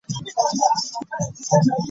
Buli kaseera abaana abato bayombayomba.